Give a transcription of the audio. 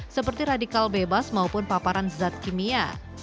seperti radikal bebas maupun paparan zat kimia